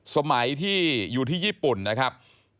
สมัยที่อยู่ที่ญี่ปุ่นนะครับ